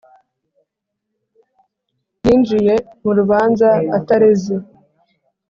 yinjiye mu rubanza atareze